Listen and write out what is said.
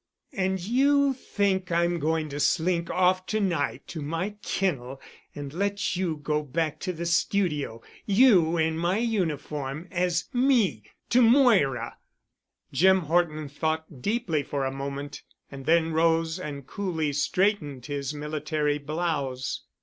"And you think I'm going to slink off to night to my kennel and let you go back to the studio. You in my uniform—as me—to Moira." Jim Horton thought deeply for a moment and then rose and coolly straightened his military blouse.